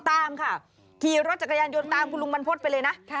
ตามค่ะขี่รถจักรยานยนต์ตามคุณลุงบรรพฤษไปเลยนะ